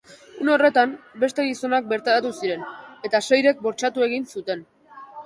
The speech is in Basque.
Une horretan, beste gizonak bertaratu ziren, eta seirek bortxatu egin zuten.